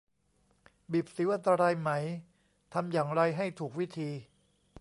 บีบสิวอันตรายไหม ทำอย่างไรให้ถูกวิธี